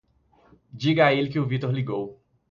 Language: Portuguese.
Diga a ele que o Vitor ligou.